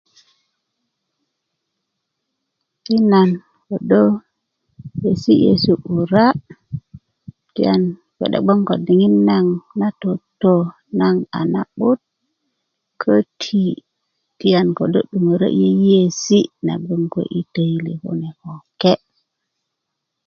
ti nan kodo yesi yesu 'bura' ti nan bge'de bgwoŋ ko diŋit na toto naŋ a na'but köti ti nan ködö 'duŋoro yeyeesi na gboŋ kuwe töyili ni kune koke'